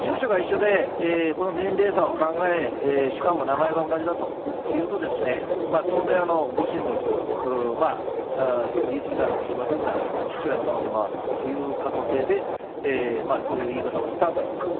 住所が一緒で、この年齢差を考えて、しかも名前が同じだというと、当然、ご親族、ちょっと、言い過ぎになるかもしれませんが、父親の可能性もあるという可能性で、そういう言い方をしたんだと思います。